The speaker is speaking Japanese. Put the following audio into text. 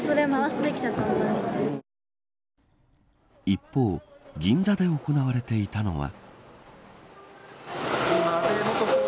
一方銀座で行われていたのは。